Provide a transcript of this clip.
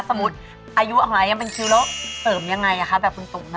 สมมุติอายุออกมายังเป็นคิ้วแล้วเติมยังไงครับคุณตุ๋ม